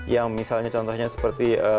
yang misalnya contohnya seperti